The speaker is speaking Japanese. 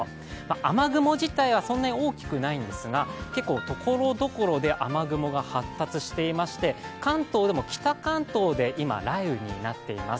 雨雲自体はそんなに大きくないんですが結構ところどころで雨雲が発達していまして、関東でも北関東で今、雷雨になっています。